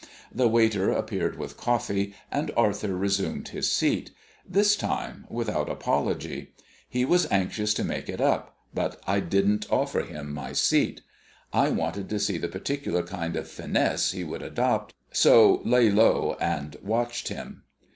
The waiter appeared with coffee, and Arthur resumed his seat, this time without apology. He was anxious to make it up, but I didn't offer him my seat. I wanted to see the particular kind of finesse he would adopt, so lay low and watched him.